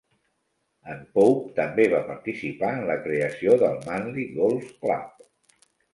En Pope també va participar en la creació del Manly Golf Club.